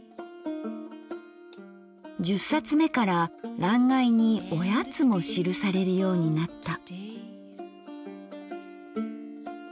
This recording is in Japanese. １０冊目から欄外に「おやつ」も記されるようになった。